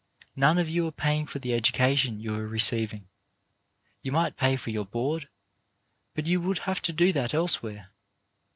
None of you are paying for the education you are re ceiving. You might pay for your board, but you would have to do that elsewhere.